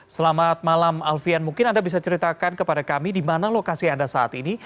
selamat malam alfian mungkin anda bisa ceritakan kepada kami di mana lokasi anda saat ini